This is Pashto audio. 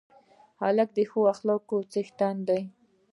هلک د ښه اخلاقو څښتن دی.